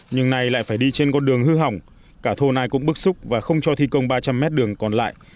nhưng nay lại phải đi trên con đường hư hỏng cả thôn ai cũng bức xúc và không cho thi công ba trăm linh mét đường còn lại